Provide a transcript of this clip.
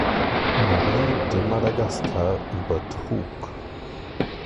Marie de Madagascar übertrug.